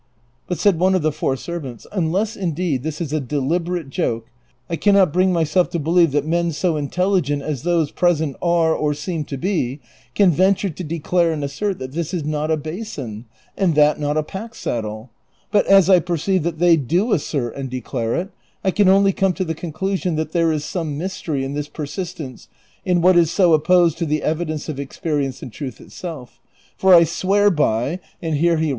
But said one of the four servants, " Unless, indeed, this is a deliberate joke, I can not bring myself to lielieve that men so intelligent as those present are, or seem to be, can venture to declare and assert that this is not a basin, and that not a pack saddle ; but as I perceive that they do assert and declare it, I can only come to the conclusion that there is some mystery in this persistence in what is so opposed to the evidence of ex perience and truth itself ; for I swear by "— and here he * Prov.